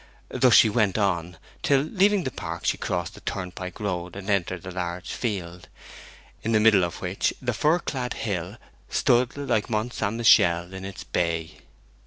Thus she went on, till, leaving the park, she crossed the turnpike road, and entered the large field, in the middle of which the fir clad hill stood like Mont St. Michel in its bay.